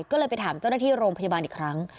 ก็เลยไปถามเจ้าหน้าที่โรงพยาบาลอีกครั้ง